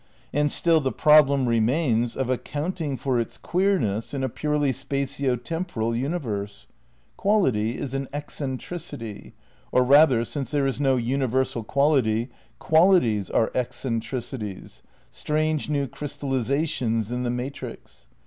And still the problem remains of accounting for its queerness in a purely spatio temporal universe. Quality is an eccentricity; or rather, since there is no universal quality, qualities are eccentricities, strange new crystallisations in the matrix.